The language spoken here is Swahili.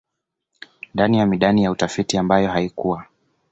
ndani ya midani ya utafiti ambayo haikuwa